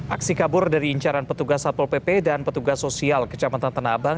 aksi kabur dari incaran petugas satpol pp dan petugas sosial kecamatan tanah abang